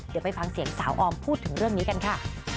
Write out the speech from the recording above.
เดี๋ยวไปฟังเสียงสาวออมพูดถึงเรื่องนี้กันค่ะ